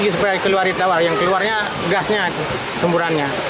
supaya keluar di tawar yang keluarnya gasnya semburannya